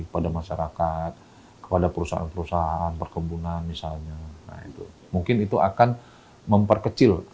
pada masyarakat kepada perusahaan perusahaan perkebunan misalnya mungkin itu akan memperkecil